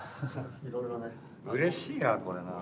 うれしいなこれなあ。